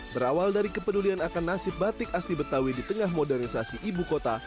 berawal dari kepedulian akan nasib batik asli betawi di tengah modernisasi ibu kota